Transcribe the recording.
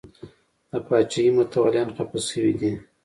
د پاچاهۍ متولیان خفه شوي دي.